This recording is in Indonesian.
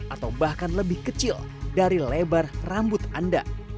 atau bahkan lebih kecil dari lebar rambut anda